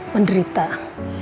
mercayai d hannah